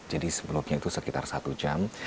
jadi sebelumnya itu sekitar satu jam